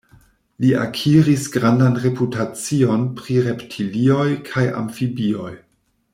Li akiris grandan reputacion pri reptilioj kaj amfibioj.